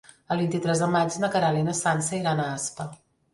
El vint-i-tres de maig na Queralt i na Sança iran a Aspa.